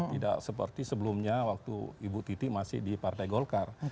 tidak seperti sebelumnya waktu ibu titi masih di partai golkar